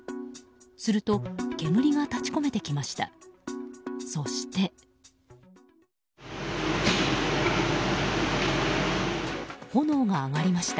すると煙が立ち込めてきました。